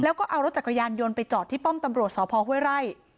แล้วก็เอารถจักรยานโยนไปจอดที่ป้อมตำลวจทเคราะห์พเเพร่วไหร่